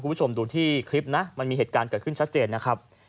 คุณผู้ชมดูที่คลิปนะมันมีเหตุการณ์เกิดขึ้นชัดเจนนะครับ